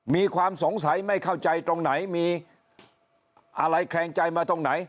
มีความสงสัยไม่เข้าใจตรงไหนมีอะไรแคลงใจมาตรงไหน